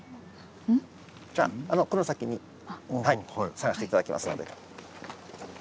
ん？じゃこの先に探して頂きますので。